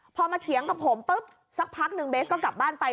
พอมาเถียงกับผมปุ๊บสักพักหนึ่งเบสก็กลับบ้านไป